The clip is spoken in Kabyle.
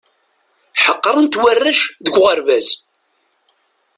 Ḥeqren-t warrac deg uɣerbaz.